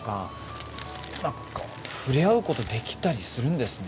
何か触れ合うことできたりするんですね。